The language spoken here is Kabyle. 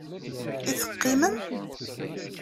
I teqqimem?